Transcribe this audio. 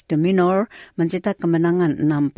de minor mencetak kemenangan